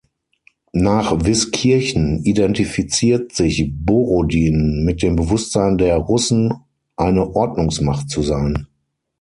Nach Wißkirchen identifiziert sich Borodin „mit dem Bewußtsein der Russen, eine Ordnungsmacht zu sein.